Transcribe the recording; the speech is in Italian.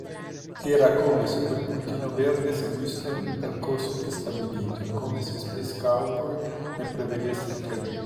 Era come se quel puntino verde seguisse un percorso prestabilito, come se Space Cowboy ne prevedesse il tragitto.